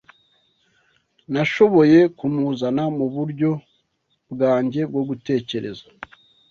Nashoboye kumuzana muburyo bwanjye bwo gutekereza.